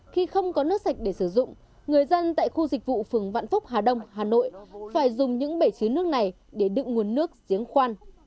khi không có nước sạch để sử dụng người dân tại khu dịch vụ phường vạn phúc hà đông hà nội phải dùng những bể chứa nước này để đựng nguồn nước giếng khoan